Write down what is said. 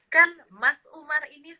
kan mas umar ini